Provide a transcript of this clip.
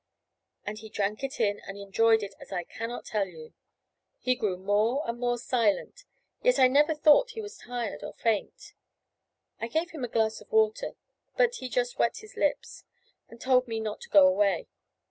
And he drank it in and enjoyed it as I cannot tell you. He grew more and more silent, yet I never thought he was tired or faint. I gave him a glass of water, but he just wet his lips, and told me not to go away.